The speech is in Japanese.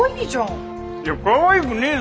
いやかわいくねえだろ。